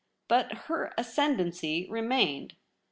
But her ascendency remained.